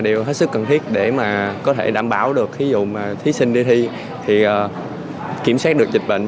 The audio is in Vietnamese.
điều này đều là sự cần thiết sú s motiv để đảm bảo thì ví dụ mà thí sinh đi thi thì kiểm soát dịch bệnh